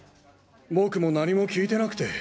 僕も何も聞いてなくて。